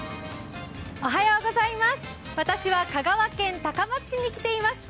私は香川県高松市に来ています。